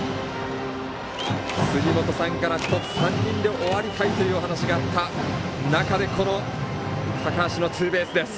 杉本さんから１つ３人で終わりたいという話があった中で高橋のツーベースです。